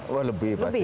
wah lebih pasti